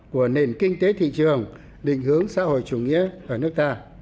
của đất nước